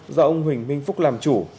do ông huỳnh minh phúc làm chủ